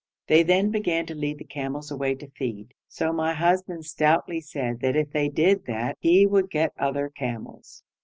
They then began to lead the camels away to feed, so my husband stoutly said that if they did that he would get other camels.